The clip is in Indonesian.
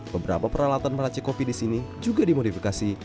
beberapa peralatan meracik kopi di sini juga dimodifikasi